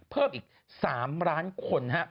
เพิ่มอีก๓ล้านคน